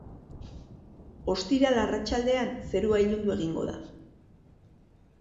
Ostiral arratsaldean zerua ilundu egingo da.